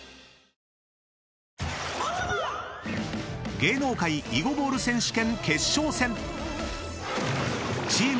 ［芸能界囲碁ボール選手権］